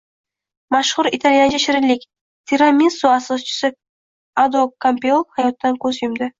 Mashhur italyancha shirinlik — tiramisu asoschisi Ado Kampeol hayotdan ko‘z yumdi